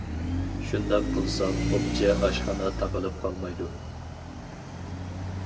شۇنداق قىلساق ئوپچە ئاشخانا تاقىلىپ قالمايدۇ.